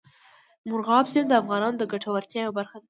مورغاب سیند د افغانانو د ګټورتیا یوه برخه ده.